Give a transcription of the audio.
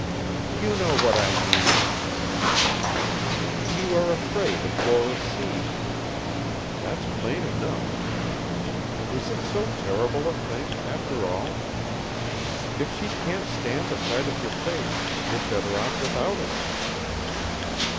"You know what I mean," she said. "You are afraid of Doris seeing you. That's plain enough. Is it so terrible a thing, after all? If she can't stand the sight of your face, you're better off without her."